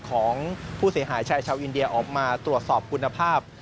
ของผู้เสียหายชายชาวอินเดียออกมาตรวจสอบคุณภาพ